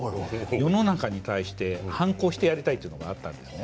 世の中に対して反抗してやりたいというのがあったんですね。